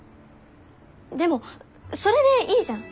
でもそれでいいじゃん。